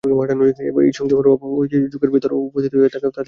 এই সংযমের অভাব হইতেই যোগের বিঘ্ন উপস্থিত হইয়া থাকে ও তাহাতেই ক্লেশের উৎপত্তি।